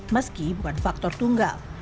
meski bukan faktor tunggal